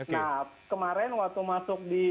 nah kemarin waktu masuk di